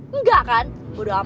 semoga apa yang akan aku lakukan